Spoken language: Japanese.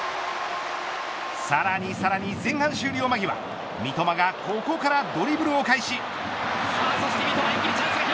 さらにさらに、前半終了間際三笘がここからドリブルを開始。